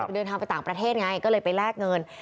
เดินทางไปต่างประเทศไงก็เลยไปแลกเงิน